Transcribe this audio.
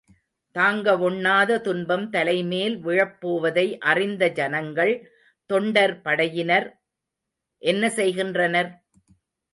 தாங்கவொண்ணாத துன்பம் தலைமேல் விழப்போவதை அறிந்த ஜனங்கள் தொண்டர் படையினர் என்ன செய்கின்றனர்?